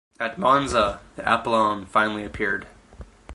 At Monza the Apollon finally appeared.